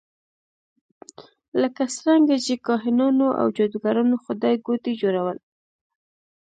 لکه څرنګه چې کاهنانو او جادوګرانو خدایګوټي جوړول.